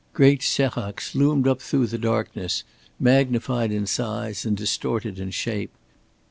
Great séracs loomed up through the darkness, magnified in size and distorted in shape.